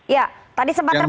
ya tadi sempat terputus